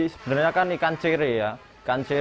sebenarnya kan ikan cere ya